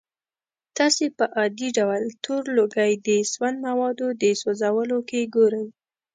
تاسې په عادي ډول تور لوګی د سون موادو د سوځولو کې ګورئ.